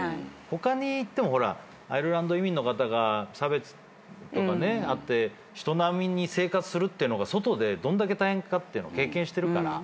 他に行ってもアイルランド移民の方が差別とかあって人並みに生活するって外でどんだけ大変かって経験してるから。